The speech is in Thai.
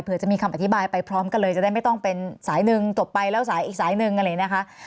เพื่อจะมีคำอธิบายไปพร้อมกันเลยจะได้ไม่ต้องเป็นสายหนึ่งจบไปแล้วสายอีกสายหนึ่งอะไรอย่างนี้นะคะ